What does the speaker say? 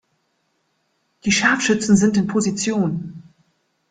Die Scharfschützen sind in Position.